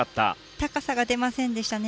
高さが出ませんでしたね。